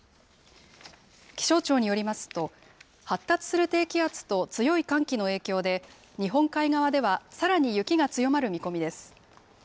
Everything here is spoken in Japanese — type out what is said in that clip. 気象庁によりますと、発達する低気圧と強い寒気の影響で、日本海側ではさらに雪が強まる見込みです。